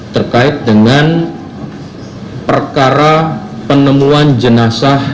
terkait dengan perkara penemuan jenazah